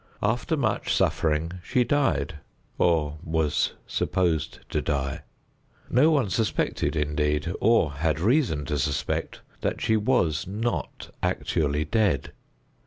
After much suffering she died, or was supposed to die. No one suspected, indeed, or had reason to suspect, that she was not actually dead.